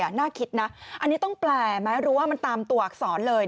น่าคิดนะอันนี้ต้องแปลไหมรู้ว่ามันตามตัวอักษรเลย